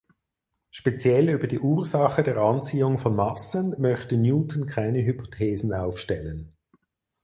Speziell über die Ursache der Anziehung von Massen möchte Newton keine Hypothesen aufstellen.